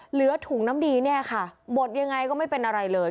ถุงน้ำดีเนี่ยค่ะบดยังไงก็ไม่เป็นอะไรเลย